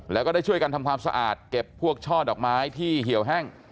แล้วก็ได้ช่วยกันทำความสะอาดเก็บพวกช่อดอกไม้ที่เหี่ยวแห้ง